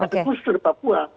tapi untuk papua